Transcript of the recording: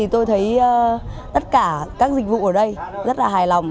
tất cả các dịch vụ ở đây rất là hài lòng